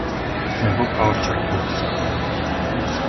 Nebo Culture Club.